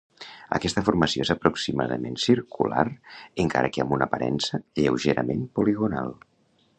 Aquesta formació és aproximadament circular, encara que amb una aparença lleugerament poligonal.